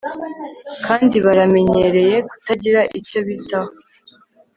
kandi baramenyereye kutagira icyo bitaho